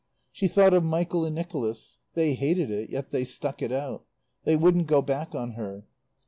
She thought of Michael and Nicholas. They hated it, and yet they stuck it out. They wouldn't go back on her.